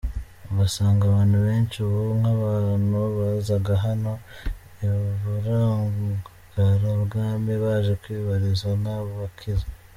Ugasanga abantu benshi, ubu nk’abantu bazaga hano i Buragurabwami baje kwibariza, ntabakiza.